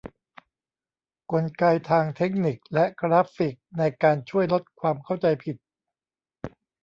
กลไกทางเทคนิคและกราฟิกในการช่วยลดความเข้าใจผิด